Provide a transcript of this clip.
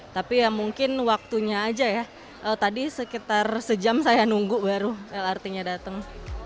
tapi ya mungkin waktunya aja ya tadi sekitar sejam saya nunggu baru lrt nya datang